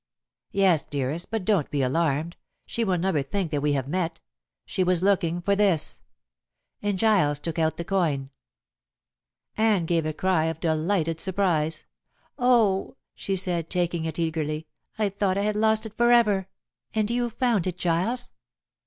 "Yes, dearest. But don't be alarmed. She will never think that we have met. She was looking for this." And Giles took out the coin. Anne gave a cry of delighted surprise. "Oh," she said, taking it eagerly, "I thought I had lost it forever. And you found it, Giles?"